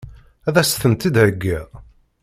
Ad as-tent-id-theggiḍ?